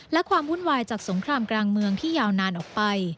และความวุ่นวายจากสงครามกลางเมืองที่ยาวนานออกไป